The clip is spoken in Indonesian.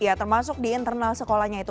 ya termasuk di internal sekolahnya itu